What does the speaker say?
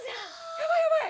やばいやばい。